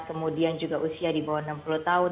kemudian juga usia di bawah enam puluh tahun